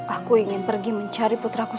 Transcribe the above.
aku ingin pergi mencari putraku